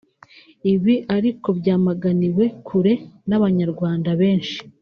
Ibi ariko byamaganiwe kure n’abanyarwanda benshi